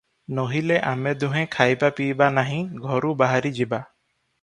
ନୋହିଲେ ଆମେ ଦୁହେଁ ଖାଇବା ପିଇବା ନାହିଁ, ଘରୁ ବାହାରିଯିବା ।